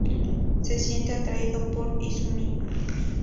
Se siente atraído por Izumi.